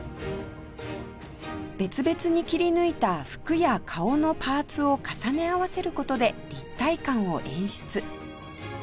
別々に切り抜いた服や顔のパーツを重ね合わせる事で立体間を演出